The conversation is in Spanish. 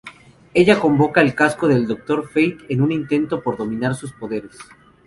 Ella convoca el casco del Doctor Fate en un intento por dominar sus poderes.